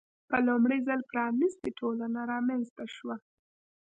په لومړي ځل پرانیستې ټولنه رامنځته شوه.